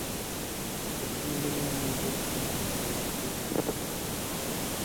تسِیں می لا نظر آن٘س واسُلَیں